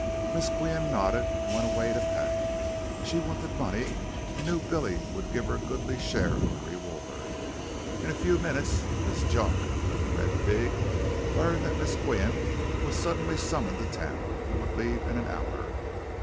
Miss Qian nodded and went away to pack. She wanted money and knew Billy would give her a goodly share of the reward. In a few minutes Miss Junk, of "The Red Pig," learned that Miss Qian was suddenly summoned to town and would leave in an hour.